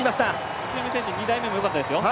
宇都宮選手、２台目もよかったですよ。